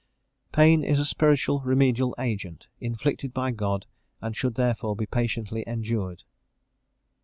_Pain is a spiritual remedial agent, inflicted by God, and should therefore be patiently endured.